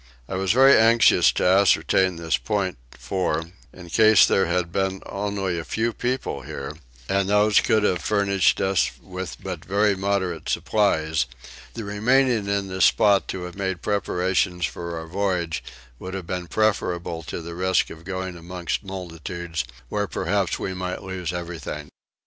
I was very anxious to ascertain this point for, in case there had been only a few people here, and those could have furnished us with but very moderate supplies, the remaining in this spot to have made preparations for our voyage would have been preferable to the risk of going amongst multitudes, where perhaps we might lose everything.